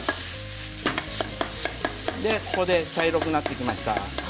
ここで茶色くなってきました。